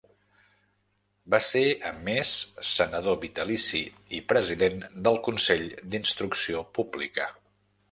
Va ser a més senador vitalici i President del Consell d'Instrucció Pública.